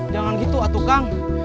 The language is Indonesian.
jangan gitu atukang